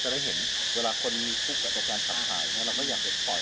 ก็จะดูว่าเราก็ได้เชื่อสายทุกของตัวเองและของเขาไปด้วย